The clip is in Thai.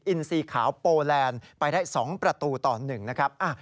อินซีขาวโปแลนด์ไปได้๒ประตูต่อ๑นะครับ